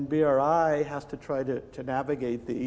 dan bri harus mencoba untuk menggali ini